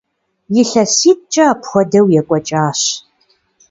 ИлъэситӀкӀэ апхуэдэу екӀуэкӀащ.